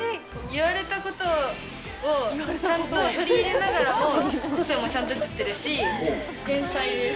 言われたことをちゃんと取り入れながらも、個性もちゃんと出てるし、天才です。